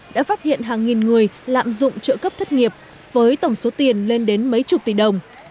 đã phát hiện hàng nghìn người lạm dụng trợ cấp thất nghiệp với tổng số tiền lên đến mấy chục tỷ đồng